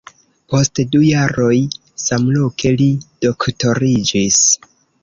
Post du jaroj samloke li doktoriĝis.